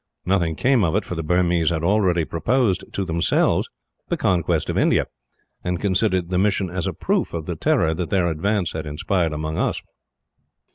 Nothing came of it, for the Burmese had already proposed, to themselves, the conquest of India; and considered the mission as a proof of the terror that their advance had inspired among us.